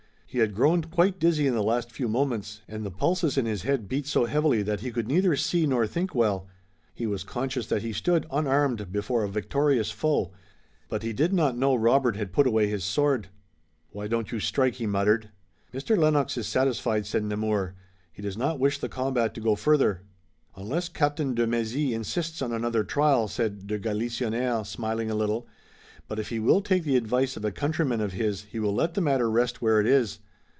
He had grown quite dizzy in the last few moments, and the pulses in his head beat so heavily that he could neither see nor think well. He was conscious that he stood unarmed before a victorious foe, but he did not know Robert had put away his sword. "Why don't you strike?" he muttered. "Mr. Lennox is satisfied," said Nemours. "He does not wish the combat to go further." "Unless Captain de Mézy insists on another trial," said de Galisonnière, smiling a little, "but if he will take the advice of a countryman of his he will let the matter rest where it is.